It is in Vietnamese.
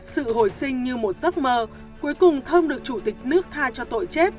sự hồi sinh như một giấc mơ cuối cùng thơm được chủ tịch nước tha cho tội chết